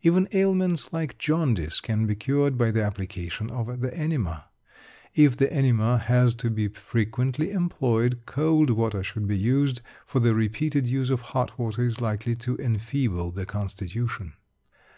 Even ailments like jaundice can be cured by the application of the enema. If the enema has to be frequently employed, cold water should be used, for the repeated use of hot water is likely to enfeeble the constitution.